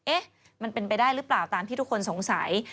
เอ๊ะมันเป็นไปได้หรือเปล่าตามที่ทุกคนสงสัย